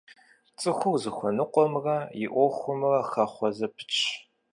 ЦӀыхур зыхуэныкъуэмрэ и Ӏуэхумрэ хэхъуэ зэпытщ.